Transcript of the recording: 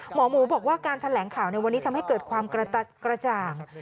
หมอหมูบอกว่าการแถลงข่าวในวันนี้ทำให้เกิดความกระจ่าง